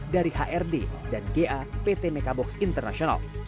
dari hrd dan ga pt mekabox internasional